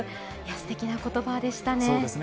すてきなことばでしたね。